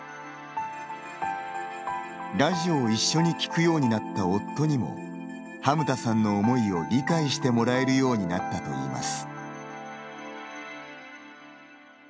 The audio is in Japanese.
ラジオを一緒に聞くようになった夫にも、はむたさんの思いを理解してもらえるようになったといいます。